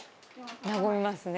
和みますね。